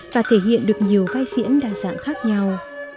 và thể hiện được nhiều vai diễn đa dạng khác nhau